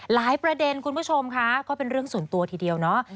ประเด็นคุณผู้ชมค่ะก็เป็นเรื่องส่วนตัวทีเดียวเนาะ